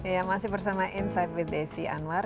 ya masih bersama insight with desi anwar